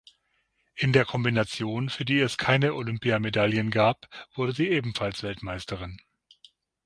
In der Kombination, für die es keine Olympiamedaillen gab, wurde sie ebenfalls Weltmeisterin.